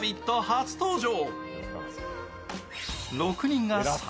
初登場。